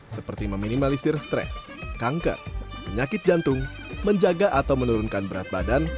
seperti meminimalisir stres kanker penyakit jantung menjaga atau menurunkan berat badan